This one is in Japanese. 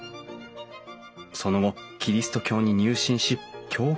その後キリスト教に入信し教会を設立。